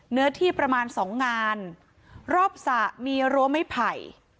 เนื้อที่ประมาณ๒งานรอบสะมีรัวไม่ไภ